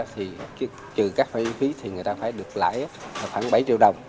thì trừ các khoản chi phí thì người ta phải được lại khoảng bảy triệu đồng